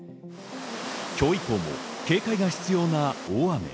今日以降も警戒が必要な大雨。